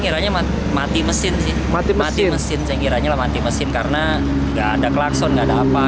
kira kira mati mesin mati mesin saya kira kira mati mesin karena enggak ada klakson ada apa